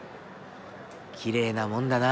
きれいな門だな。